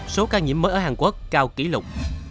số ca nhiễm mới ở hàn quốc cao kỷ lục